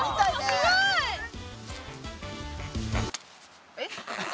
すごい！えっ？